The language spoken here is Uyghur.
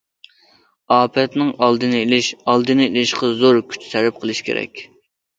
ئاپەتنىڭ ئالدىنى ئېلىشى، ئالدىنى ئېلىشقا زور كۈچ سەرپ قىلىشى كېرەك.